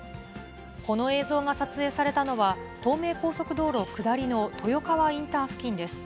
この映像が撮影されたのは、東名高速道路下りの豊川インター付近です。